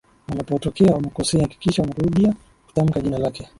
unapotokea umekosea hakikisha unarudia kutamka jina lake